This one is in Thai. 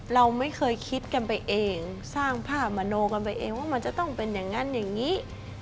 เราไม่เคยคิดกันไปเองสร้างภาพมโนกันไปเองว่ามันจะต้องเป็นอย่างนั้นอย่างนี้